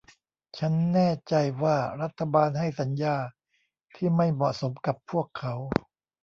ฉันแน่ใจว่ารัฐบาลให้สัญญาที่ไม่เหมาะสมกับพวกเขา